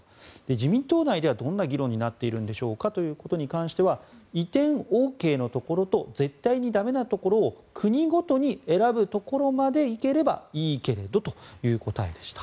自民党内ではどんな議論になっているんでしょうかということに関しては移転ＯＫのところと絶対に駄目なところと国ごとに選ぶところまで行ければいいけれどという答えでした。